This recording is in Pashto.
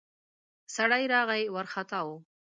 سړی راغی ، وارختا و.